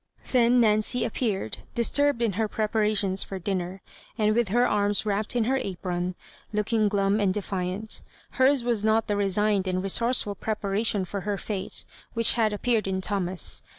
Then Nancy appeared, disturbed in her prepara tions for dinner, and with her arms wrapped in her apron, looking glum and defiant Hers was not the resigned and resourceful preparation for her fate which had appeared in Thomas.